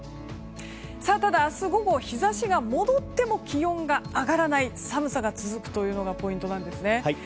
ただ、明日午後日差しが戻っても気温が上がらない寒さが続くというのがポイントなんですね。